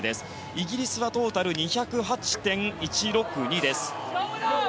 イギリスはトータル２０８．１６２です。